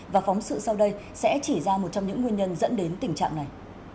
và phóng sự sau đây sẽ chỉ ra một trong những nguyên nhân dẫn đến tình trạng này